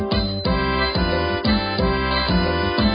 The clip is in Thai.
โฮฮะไอ้ยะฮู้ไอ้ยะ